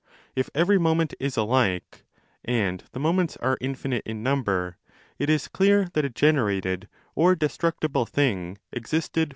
If every moment is alike and the moments are infinite in number, it is clear that a generated or destructible thing existed for an infinite time.